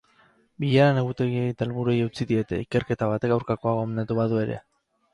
Bileran egutegiei eta helburuei eutsi diete, ikerketa batek aurkakoa gomendatu badu ere.